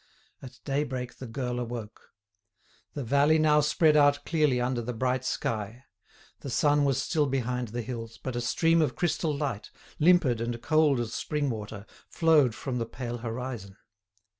At daybreak the girl awoke. The valley now spread out clearly under the bright sky. The sun was still behind the hills, but a stream of crystal light, limpid and cold as spring water, flowed from the pale horizon.